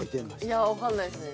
いやあわからないですね。